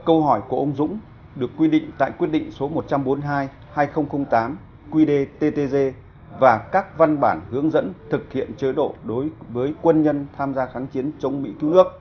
câu hỏi của ông dũng được quy định tại quyết định số một trăm bốn mươi hai hai nghìn tám qdttg và các văn bản hướng dẫn thực hiện chế độ đối với quân nhân tham gia kháng chiến chống mỹ cứu nước